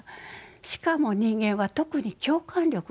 しかも人間は特に共感力が強い。